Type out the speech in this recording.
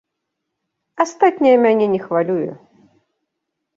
Астатняе мяне не хвалюе.